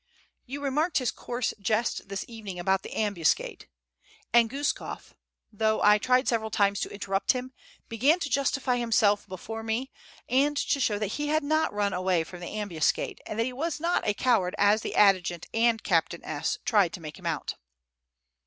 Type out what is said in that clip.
"You remarked his coarse jest this evening about the ambuscade;" and Guskof, though I tried several times to interrupt him, began to justify himself before me, and to show that he had not run away from the ambuscade, and that he was not a coward as the adjutant and Capt. S. tried to make him out.